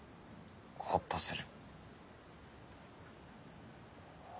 ほっとする？